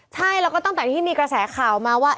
ใช่แล้วก็ตั้งแต่ที่มีกระแสข่าวมาว่า